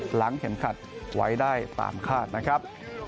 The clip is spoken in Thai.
หลังเข็มขัดไว้ได้ตามคาดนะครับ